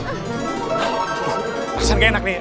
loh perasaan gak enak nih